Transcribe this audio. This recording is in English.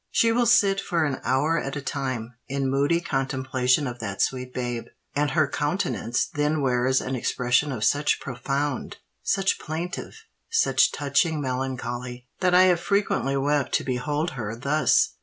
She will sit for an hour at a time, in moody contemplation of that sweet babe; and her countenance then wears an expression of such profound—such plaintive—such touching melancholy, that I have frequently wept to behold her thus."